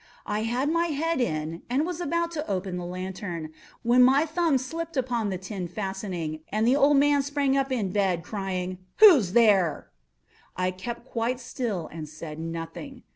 I had my head in, and was about to open the lantern, when my thumb slipped upon the tin fastening, and the old man sprang up in bed, crying out—"Who's there?" I kept quite still and said nothing.